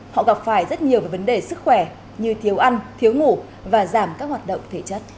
họ gặp phải rất nhiều về vấn đề sức khỏe như thiếu ăn thiếu ngủ và giảm các hoạt động thể chất